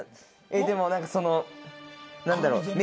でも何か何だろう？